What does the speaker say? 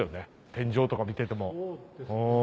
天井とか見ててもお。